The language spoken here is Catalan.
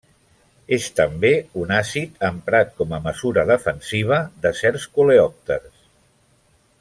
És també un àcid emprat com a mesura defensiva de certs coleòpters.